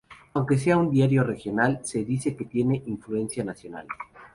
Aunque sea un diario regional se dice que tiene influencia nacional.